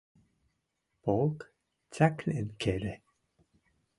Полк цӓкнен кеде